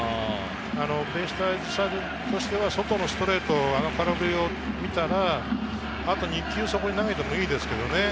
ベイスターズサイドとしては外のストレート、あの空振りを見たら、あと２球、そこに投げてもいいですけどね。